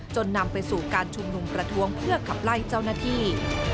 นำไปสู่การชุมนุมประท้วงเพื่อขับไล่เจ้าหน้าที่